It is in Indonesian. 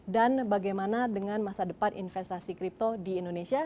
dan bagaimana dengan masa depan investasi kripto di indonesia